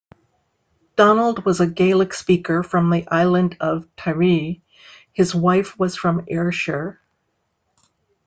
Donald was a Gaelic-speaker from the island of Tiree; his wife was from Ayrshire.